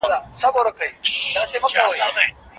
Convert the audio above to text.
هغه د خپلو اتلانو په خبرو کې د حکمت او پوهې تنده لیده.